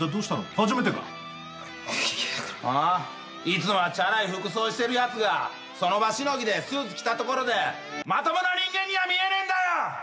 いつもはチャラい服装してるやつがその場しのぎでスーツ着たところでまともな人間には見えねえんだよ！